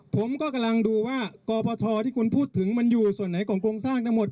ผมก็กำลังดูว่ากพทที่คุณพูดถึงมันอยู่ส่วนไหนของโครงสร้างทั้งหมด